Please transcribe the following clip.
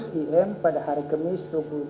pm pada hari kemis